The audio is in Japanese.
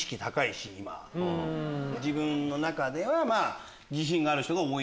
自分の中では自信がある人が多い。